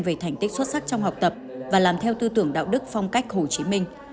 về thành tích xuất sắc trong học tập và làm theo tư tưởng đạo đức phong cách hồ chí minh